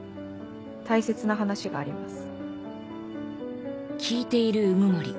大切な話があります。